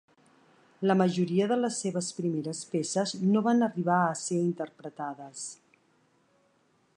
La majoria de les seves primeres peces no van arribar a ser interpretades.